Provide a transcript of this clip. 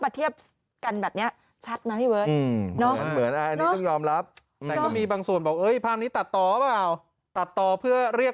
มาเทียบกันแบบเนี้ยชัดนะพี่เบิร์ดเนาะเหมือนก็มีต่อเพื่อเรียก